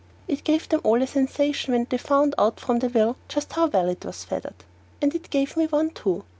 It gave them all a sensation when they found out from the will just how well it was feathered. And it gave me one too.